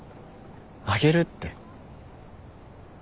「あげる」って。